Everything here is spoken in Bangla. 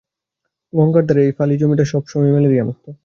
গঙ্গার ধারের এই ফালি জমিটা সব সময়েই ম্যালেরিয়া-মুক্ত।